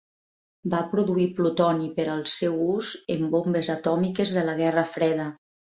Va produir plutoni per al seu ús en bombes atòmiques de la guerra freda.